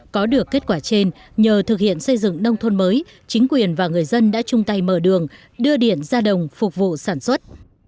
có được kết quả trên nhờ thực hiện xây dựng nông thôn mới chính quyền và người dân đã chung tay mở đường đưa điện ra đồng phục vụ sản xuất